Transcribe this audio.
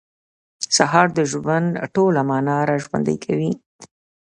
سهار د ژوند ټوله معنا راژوندۍ کوي.